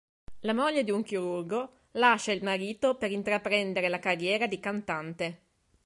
La moglie di un chirurgo lascia il marito per intraprendere la carriera di cantante.